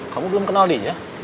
kamu belum kenal dia